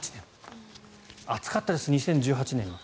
暑かったです、２０１８年。